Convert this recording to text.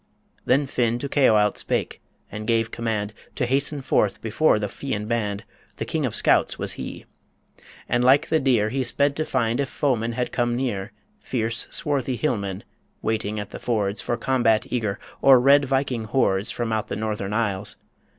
Then Finn to Caoilte spake, and gave command To hasten forth before the Fian band The King of Scouts was he! And like the deer He sped to find if foemen had come near Fierce, swarthy hillmen, waiting at the fords For combat eager, or red Viking hordes From out the Northern isles